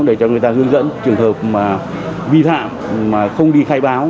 để cho người ta hướng dẫn trường hợp vi thạm mà không đi khai báo